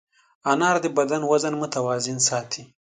انار د بدن وزن متوازن ساتي.